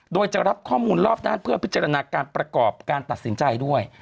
โดยจะรับข้อมูลรอบด้านเพื่อพิจารณาการประกอบการตัดสินใจด้วย